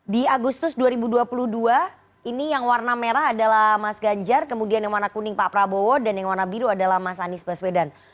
di agustus dua ribu dua puluh dua ini yang warna merah adalah mas ganjar kemudian yang warna kuning pak prabowo dan yang warna biru adalah mas anies baswedan